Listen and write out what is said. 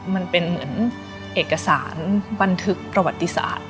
มันเป็นเหมือนเอกสารบันทึกประวัติศาสตร์